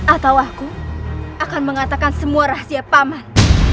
atau aku akan mengatakan semua rahasia paman